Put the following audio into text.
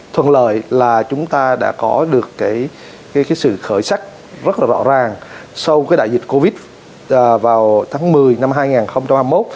thuận lợi là chúng ta đã có được sự khởi sắc rất là rõ ràng sau cái đại dịch covid vào tháng một mươi năm hai nghìn hai mươi một